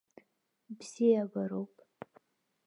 Бзиабароуп.